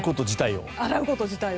洗うこと自体を。